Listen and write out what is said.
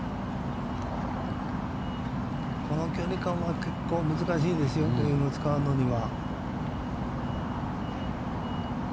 この距離感はちょっと難しいですよ、フェードを使うには。